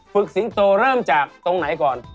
สิงโตเริ่มจากตรงไหนก่อน